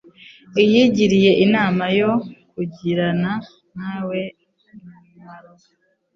I yigiriye inama yo kugirana nawe imimaro